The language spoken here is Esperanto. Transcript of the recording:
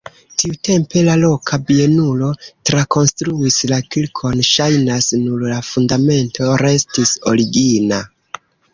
Tiutempe la loka bienulo trakonstruis la kirkon, ŝajnas, nur la fundamento restis origina.